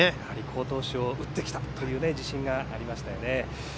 好投手を打ってきたという自信がありましたよね。